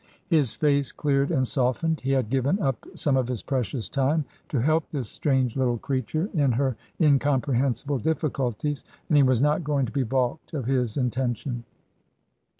His face cleared and softened. He had given up some of his precious time to help this strange little creature TRANSITION. I49 in her incomprehensible difficulties, and he was not going to be balked of his intention.